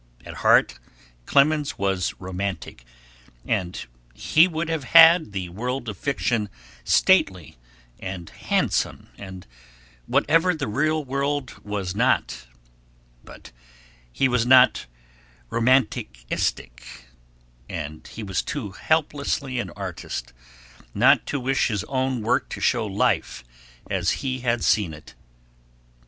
At heart Clemens was romantic, and he would have had the world of fiction stately and handsome and whatever the real world was not; but he was not romanticistic, and he was too helplessly an artist not to wish his own work to show life as he had seen it.